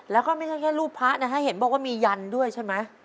แล้วก็ไม่ใช่แค่รูปพระนะฮะเห็นบอกว่ามียันด้วยใช่ไหม